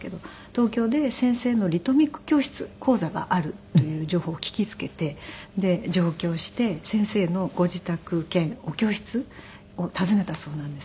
東京で先生のリトミック教室講座があるという情報を聞きつけてで上京をして先生のご自宅兼お教室を訪ねたそうなんです。